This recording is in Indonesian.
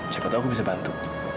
siapa tahu aku bisa bantu